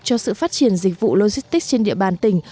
cho sự phát triển dịch vụ logistics trên địa bàn tỉnh